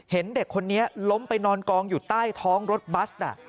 เห็นเด็กคนนี้ล้มไปนอนกองอยู่ใต้ท้องรถบัส